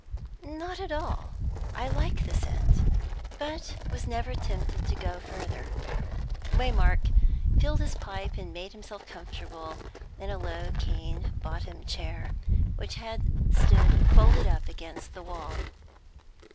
"Not at all. I like the scent, but was never tempted to go further." Waymark filled his pipe, and made himself comfortable in a low cane bottom chair, which had stood folded up against the wall.